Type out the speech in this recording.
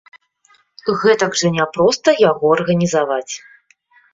Гэтак жа не проста яго арганізаваць.